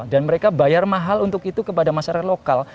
dan mereka bayar mahal untuk itu kepada masyarakat lokal